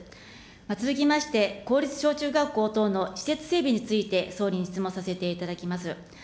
続きまして、公立小中学校等の施設整備について、総理に質問させていただきます。